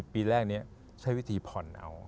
ปีแรกนี้ใช้วิธีผ่อนเอา